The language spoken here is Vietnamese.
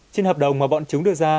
trên hợp đồng mà bọn chúng đưa ra